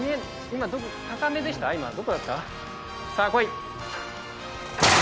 今、高めでした、どうだった？